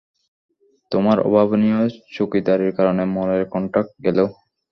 তোমার অভাবনীয় চৌকিদারির কারণে, মলের কন্ট্রাক্ট গেলো।